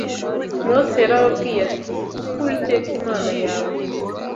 Mose yarababwiye ati: “Kuko Uwiteka Imana yawe